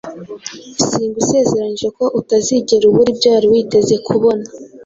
Singusezeranyije ko utazigera ubura ibyo wari witeze kubona.